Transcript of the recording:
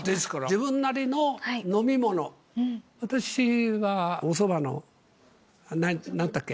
自分なりの飲み物、私はおそばの、なんてったっけ。